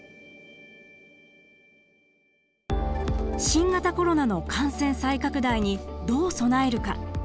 新型コロナの感染再拡大にどう備えるか？